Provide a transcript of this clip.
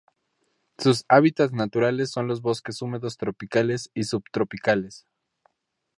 Sus hábitats naturales son los bosques húmedos tropicales y subtropicales.